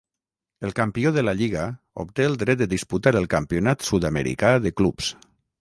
El campió de la lliga obté el dret de disputar el Campionat sud-americà de clubs.